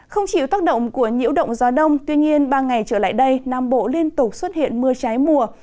không chịu tác động của nhiễu động gió đông tuy nhiên ba ngày trở lại đây nam bộ liên tục xuất hiện mưa trái mùa